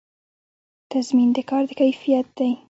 تضمین د کار د کیفیت دی